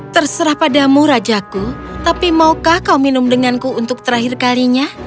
terserah padamu rajaku tapi maukah kau minum denganku untuk terakhir kalinya